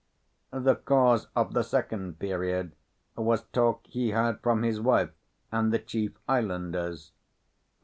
The cause of the second period was talk he heard from his wife and the chief islanders.